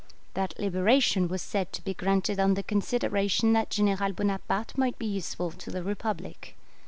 That liberation was said to be granted on the consideration that General Bonaparte might he useful to the Republic.